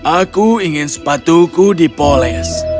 aku ingin sepatuku dipoles